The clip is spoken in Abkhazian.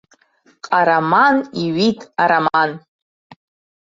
Ҟараман иҩит ароман.